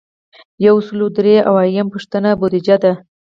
یو سل او درې اویایمه پوښتنه بودیجه ده.